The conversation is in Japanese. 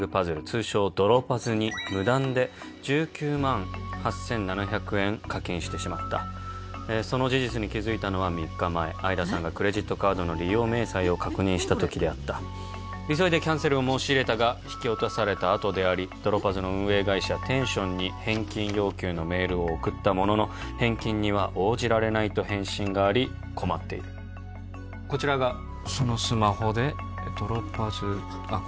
通称ドロパズに無断で１９万８７００円課金してしまったその事実に気づいたのは３日前相田さんがクレジットカードの利用明細を確認した時であった急いでキャンセルを申し入れたが引き落とされたあとでありドロパズの運営会社テンションに返金要求のメールを送ったものの返金には応じられないと返信があり困っているこちらがそのスマホでドロパズあっ